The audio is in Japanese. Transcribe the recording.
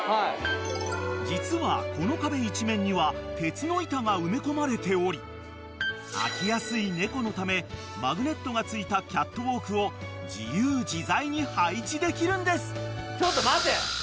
［実はこの壁一面には鉄の板が埋め込まれており飽きやすい猫のためマグネットがついたキャットウォークを自由自在に配置できるんです］